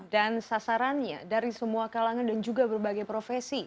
dan sasarannya dari semua kalangan dan juga berbagai profesi